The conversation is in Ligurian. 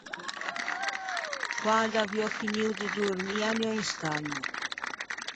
Quand’aviò finio de dormî, aniò in scagno.